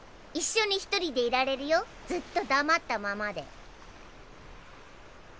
一緒に独りでいられるよずっと黙ったままで。